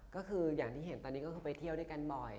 ก็คืออย่างที่เห็นตอนนี้ก็คือไปเที่ยวด้วยกันบ่อย